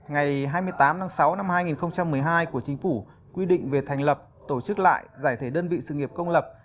ngày hai mươi tám tháng sáu năm hai nghìn một mươi hai của chính phủ quy định về thành lập tổ chức lại giải thể đơn vị sự nghiệp công lập